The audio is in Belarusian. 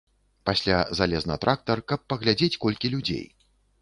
Пасля залез на трактар, каб паглядзець, колькі людзей.